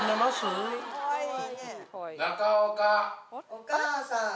お母さん。